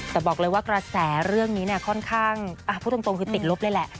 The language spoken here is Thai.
แต่บอกเลยว่ากระแสเรื่องนี้เนี่ยค่อนข้างพูดตรงคือติดลบเลยแหละ